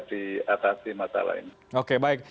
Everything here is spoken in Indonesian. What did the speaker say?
diatasi masalah ini oke baik